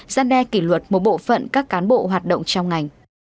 gian đe kỷ luật một bộ phận các cán bộ hoạt động trong ngành